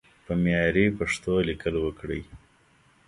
په معياري پښتو ليکل وکړئ!